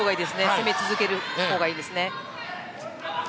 攻め続ける方がいいです。